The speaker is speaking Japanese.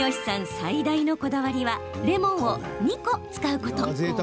最大のこだわりはレモンを２個使うこと。